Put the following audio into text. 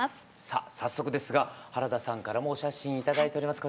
さあ早速ですが原田さんからもお写真頂いております。